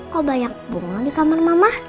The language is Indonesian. kok banyak bunga di kamar mama